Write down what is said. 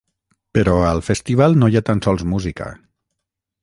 Però al festival no hi ha tan sols música.